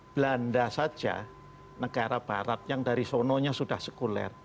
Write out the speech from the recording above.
belanda saja negara barat yang dari sononya sudah sekuler